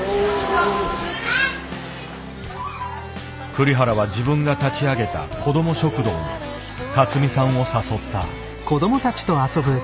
栗原は自分が立ち上げた子ども食堂に勝美さんを誘った。